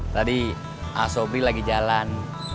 tadi asobri lagi jalan